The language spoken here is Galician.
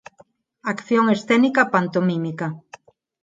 Acción escénica pantomímica.